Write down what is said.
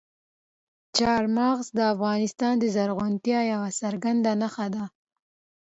چار مغز د افغانستان د زرغونتیا یوه څرګنده نښه ده.